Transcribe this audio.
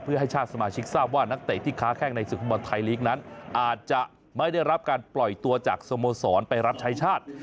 เพื่อให้ชาติสมาชิกทราบว่านักเตะที่ค้าแข้งในศึกฟุตบอลไทยลีกนั้นอาจจะไม่ได้รับการปล่อยตัวจากสโมสรไปรับใช้ชาติ